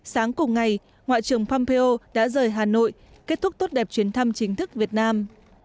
sáng cùng ngày ngoại trưởng pompeo đã rời hà nội kết thúc tốt đẹp chuyến thăm chính thức việt nam